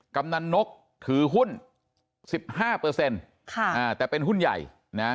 กำนันนกถือหุ้น๑๕แต่เป็นหุ้นใหญ่นะ